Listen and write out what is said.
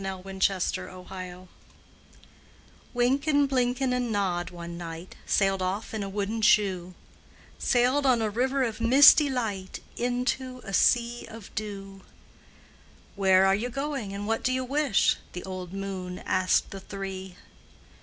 DUTCH LULLABY Wynken, Blynken, and Nod one night Sailed off in a wooden shoe, Sailed on a river of misty light Into a sea of dew. "Where are you going, and what do you wish?" The old moon asked the three.